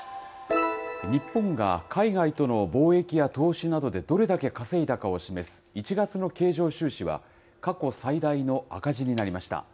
日本が海外との貿易や投資などでどれだけ稼いだかを示す１月の経常収支は、過去最大の赤字になりました。